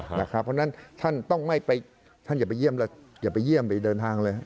เพราะฉะนั้นท่านต้องไม่ไปเข้าไปเยี่ยมไปเดินทาง